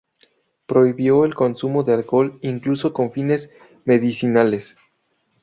Prohibió el consumo de alcohol incluso con fines medicinales.